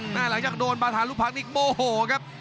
หน้าหลังจากโดนบาธารูปพรรคนี่โบโหครับ